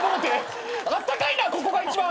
あったかいなここが一番。